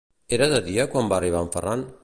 Era de dia quan va arribar en Ferran?